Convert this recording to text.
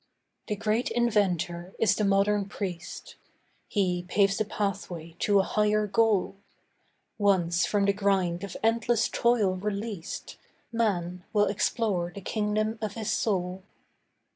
The Great Inventor is the Modern Priest. He paves the pathway to a higher goal. Once from the grind of endless toil released Man will explore the kingdom of his soul.